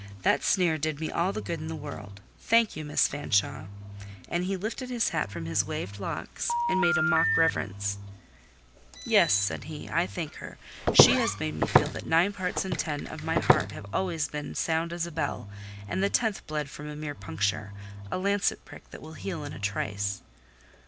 That sneer did me all the good in the world. Thank you, Miss Fanshawe!" And he lifted his hat from his waved locks, and made a mock reverence. "Yes," he said, "I thank her. She has made me feel that nine parts in ten of my heart have always been sound as a bell, and the tenth bled from a mere puncture: a lancet prick that will heal in a trice."